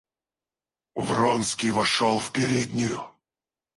Вронский вошел в переднюю.